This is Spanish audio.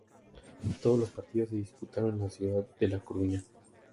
Todos los partidos se disputaron en la ciudad de La Coruña.